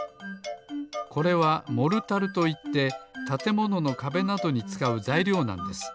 これはモルタルといってたてもののかべなどにつかうざいりょうなんです。